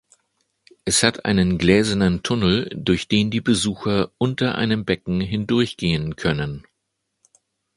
Es hat einen gläsernen Tunnel, durch den die Besucher unter einem Becken hindurchgehen können.